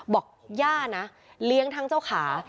ย่านะเลี้ยงทั้งเจ้าขา